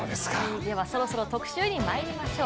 そろそろ特集にまいりましょう。